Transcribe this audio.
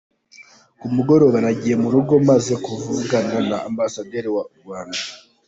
Ku mugoroba, nagiye mu rugo maze kuvugana na Ambasaderi w’u Rwanda.”